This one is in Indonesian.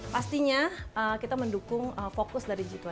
pastinya kita mendukung fokus dari g dua puluh